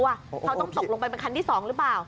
เขาต้องตกลงไปเป็นคันที่๒หรือเปล่า